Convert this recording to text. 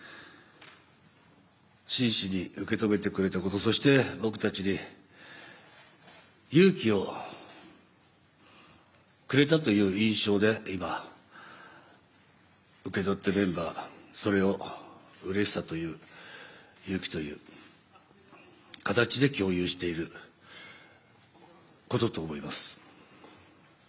真摯に受け止めてくれたことそして僕たちに勇気をくれたという印象で今、受け取ったメンバーそれをうれしさという、勇気という形で共有していることと思います。